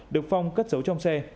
được phong cất giấu trong xe